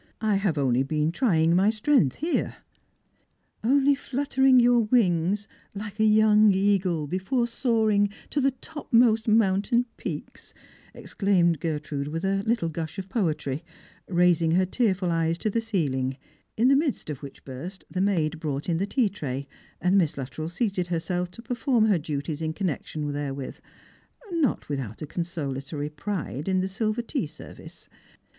I have only been trying my strength here." " Only fluttering your wings like a young eagle betore soaring to the topmost mountain peaks," exclaimed Gertrude with a little gush of poetry, raising her tearful eyes to the ceiling, in the midst of which burst the maid brought in the tea tray, a,nd Miss Luttrell seated herself to perform her duties in connection therewith, not without a consolatory pride in the silver tea service.